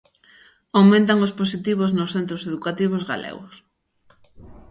Aumentan os positivos nos centros educativos galegos.